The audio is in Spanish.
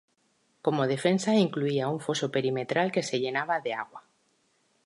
Como defensa incluía un foso perimetral que se llenaba de agua.